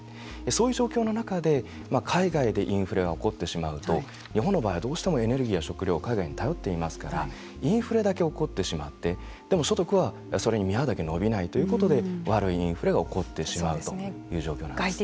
そういう状況の中で海外でインフレが起こってしまうと日本の場合は、どうしてもエネルギーや食料を海外に頼っていますからインフレだけ起こってしまってでも所得は、それに見合うだけ伸びないということで悪いインフレが行ってしまうという状況です。